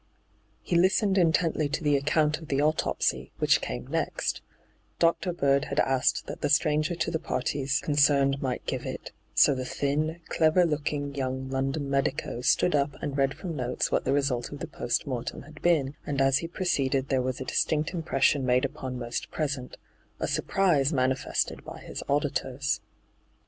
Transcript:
He listened intently to the account of the autopsy, which came next Dr. Bird had asked that the stranger to the parties con cerned might give it, so the thin, clever looking young London medico stood up and read firom notes what the result of the post mortem had been, and as he proceeded there was a distinct impression made upon most present — a surprise manifested by his auditors.